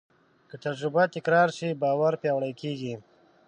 که تجربه تکرار شي، باور پیاوړی کېږي.